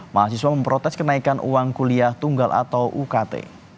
mahasiswa memprotes kenaikan uang kuliah tunggal atau ukt